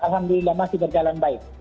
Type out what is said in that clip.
alhamdulillah masih berjalan baik